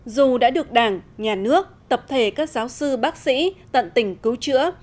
dù đã được đảng nhà nước tập thể các giáo sư bác sĩ tận tình cứu chữa